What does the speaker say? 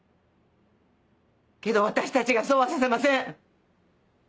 けど私たちがそうはさせません。